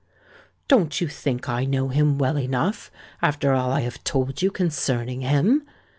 "Don't you think I know him well enough, after all I have told you concerning him?"